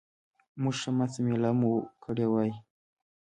موږ ښه مسته مېله مو کړې وای.